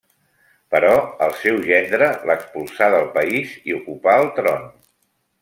Però el seu gendre l'expulsà del país i ocupà el tron.